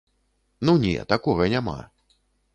Ну не, такога няма.